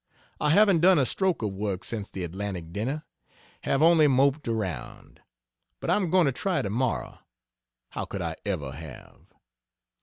I haven't done a stroke of work since the Atlantic dinner; have only moped around. But I'm going to try tomorrow. How could I ever have.